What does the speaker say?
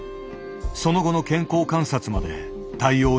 その後の健康観察まで対応に追われる。